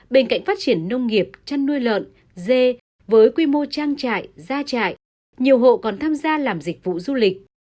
bên cạnh phát triển nông nghiệp chăn nuôi lợn dê với quy mô trang trại gia trại nhiều hộ còn tham gia làm dịch vụ du lịch